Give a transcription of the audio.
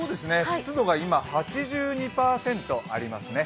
湿度が今８２％ありますね。